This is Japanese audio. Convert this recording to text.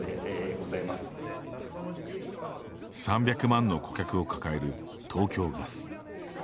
３００万の顧客を抱える東京ガス。